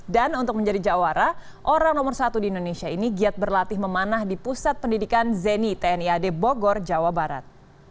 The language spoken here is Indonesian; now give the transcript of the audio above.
dan untuk menjadi jawara orang nomor satu di indonesia ini giat berlatih memanah di pusat pendidikan zeni tniad bogor jawa barat